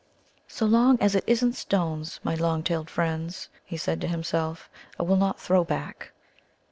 "So long as it isn't stones, my long tailed friends," he said to himself, "I will not throw back."